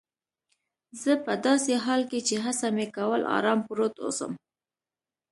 زه په داسې حال کې چي هڅه مې کول آرام پروت اوسم.